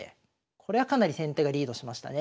これはかなり先手がリードしましたね。